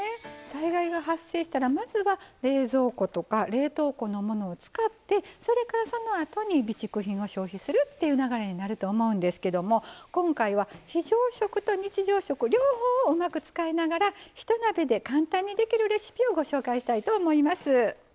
災害が発生したらまずは冷蔵庫とか冷凍庫のものを使ってそれからそのあとに備蓄品を消費するっていう流れになると思うんですけども今回は非常食と日常食両方をうまく使いながらひと鍋で簡単にできるレシピをご紹介したいと思います。